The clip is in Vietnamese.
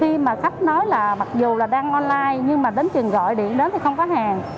khi mà khách nói là mặc dù là đang online nhưng mà đến chừng gọi điện đến thì không có hàng